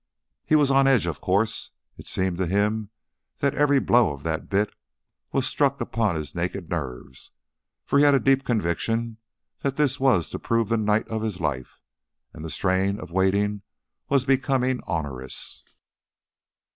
He was on edge, of course. It seemed to him that every blow of that bit was struck upon his naked nerves, for he had a deep conviction that this was to prove the night of his life, and the strain of waiting was becoming onerous.